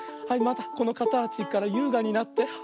はいまたこのかたちからゆうがになって。